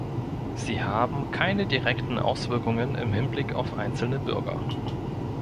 Sie haben keine direkten Auswirkungen im Hinblick auf einzelne Bürger.